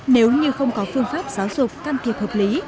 nếu như không có phương pháp giáo dục can thiệp hợp lý